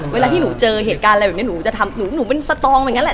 เวลาที่หนูเจอเหตุการณ์แบบนั้นหนูจะทำจริงหนูเป็นสตรองแบบนั้นแหละ